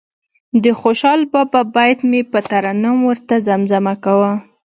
د خوشال بابا بیت به مې په ترنم ورته زمزمه کاوه.